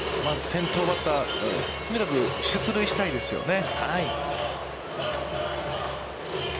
先頭バッター、とにかく出塁したいですよね。